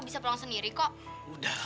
anjay saya benar benar bisa